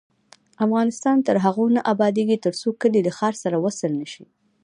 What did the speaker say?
افغانستان تر هغو نه ابادیږي، ترڅو کلي له ښار سره وصل نشي.